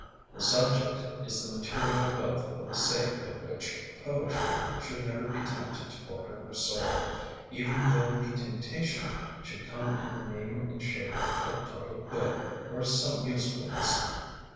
The subject is the material wealth for the sake of which poetry should never be tempted to barter her soul, even though the temptation should come in the name and shape of public good or some usefulness.